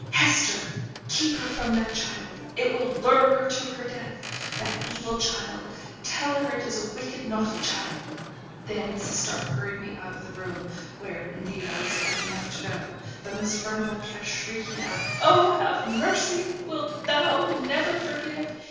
'Hester! keep her from that child! It will lure her to her death! That evil child! Tell her it is a wicked, naughty child.' Then, Mrs. Stark hurried me out of the room; where, indeed, I was glad enough to go; but Miss Furnivall kept shrieking out, 'Oh, have mercy! Wilt Thou never forgive!